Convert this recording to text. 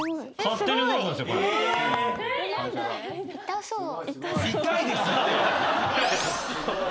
痛そう。